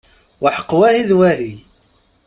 Aḥeqq wahi d wahi!